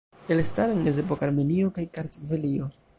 Elstara en mezepoka Armenio kaj Kartvelio.